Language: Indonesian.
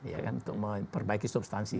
ya kan untuk memperbaiki substansi